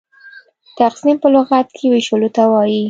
تقسيم په لغت کښي وېشلو ته وايي.